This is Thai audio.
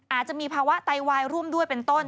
อาจจะมีภาวะไตวายร่วมด้วยเป็นต้น